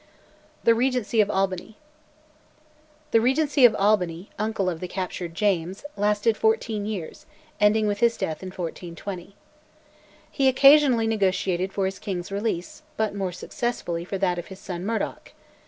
THE REGENCY OF ALBANY. The Regency of Albany, uncle of the captured James, lasted for fourteen years, ending with his death in 1420. He occasionally negotiated for his king's release, but more successfully for that of his son Murdoch.